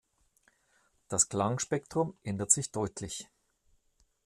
Das Klangspektrum ändert sich deutlich.